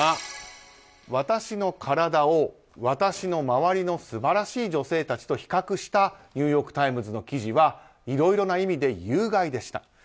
私の体を私の周りの素晴らしい女性たちと比較したニューヨーク・タイムズの記事はいろいろな意味で有害でした。